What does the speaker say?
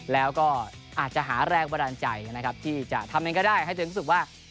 แล้วก็อาจจะหาแรงบันดาลใจนะครับที่จะทำเองก็ได้ให้ตัวเองรู้สึกว่า